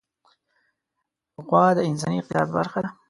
غوا د انساني اقتصاد برخه ده.